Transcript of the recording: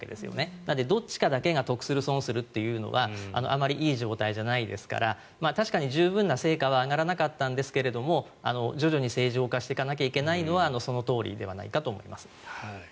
なのでどっちかだけが得をする、損をするというのはあまりいい状態じゃないですから確かに十分な成果は上がらなかったんですが徐々に正常化していかなきゃいけないのはそのとおりだと思います。